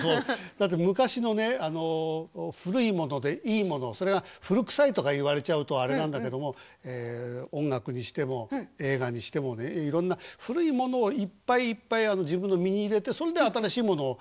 だって昔のね古いものでいいものそれが古くさいとか言われちゃうとあれなんだけども音楽にしても映画にしてもいろんな古いものをいっぱいいっぱい自分の身に入れてそんで新しいものを。